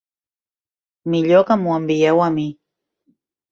Millor que m'ho envieu a mi.